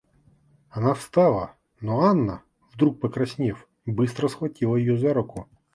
Она встала, но Анна, вдруг покраснев, быстро схватила ее за руку.